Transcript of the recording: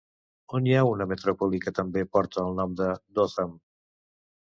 On hi ha una metròpoli que també porta el nom de Dothan?